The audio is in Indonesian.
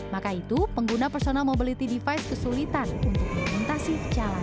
maka itu pengguna personal mobility device kesulitan untuk melintasi jalan